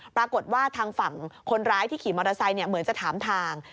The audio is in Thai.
ปรากฏว่าทางฝั่งคนร้ายที่ขี่มอเตอร์ไซค์เหมือนจะถามทาง